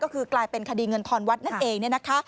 ก็คือกลายเป็นคดีเงินทอนวัดนั่นเอง